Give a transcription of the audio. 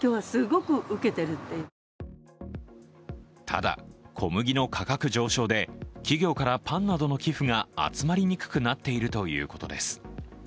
ただ、小麦の価格上昇で企業からパンなどの寄付が集まりにくくなっているということです。